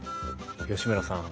吉村さん